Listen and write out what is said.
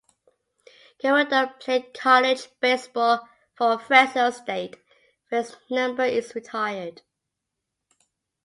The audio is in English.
Garrido played college baseball for Fresno State, where his number is retired.